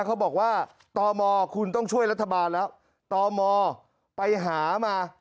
เขาบอกว่าตมคุณต้องช่วยรัฐบาลแล้วตมไปหามา